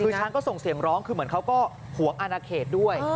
คือช้างก็ส่งเสียงร้องคือเหมือนเขาก็ห่วงอาณาเขตด้วย